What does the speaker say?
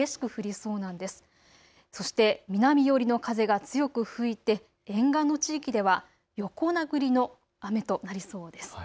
そして南寄りの風も強く吹いて、沿岸の地域では横殴りの雨となりそうです。